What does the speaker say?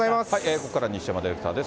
ここからは西山ディレクターです。